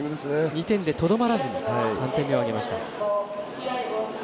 ２点にとどまらず３点目を挙げました。